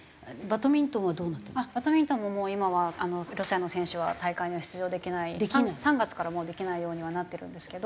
バドミントンももう今はロシアの選手は大会には出場できない３月からもうできないようにはなってるんですけど。